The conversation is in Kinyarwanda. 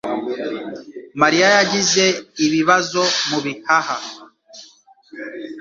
Marilla yagize ibibazo mu bihaha.